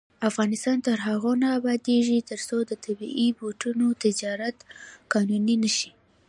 افغانستان تر هغو نه ابادیږي، ترڅو د طبیعي بوټو تجارت قانوني نشي.